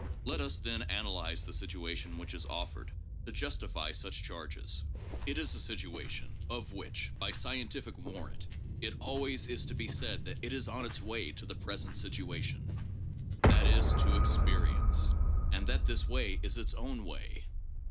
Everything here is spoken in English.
Let us, then, analyze the situation which is offered to justify such charges. It is a situation of which, by scientific warrant, it alivays is to be said that it is on its way to the present situation, that is, to 'experience,' and that this way is its own way.